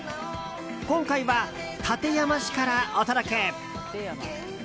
今回は館山市からお届け！